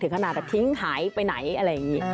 ถึงขนาดทิ้งหายไปไหน